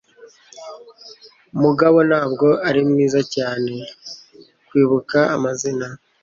Mugabo ntabwo ari mwiza cyane kwibuka amazina.